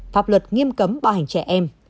pháp luật nghiêm cấm bạo hành trẻ em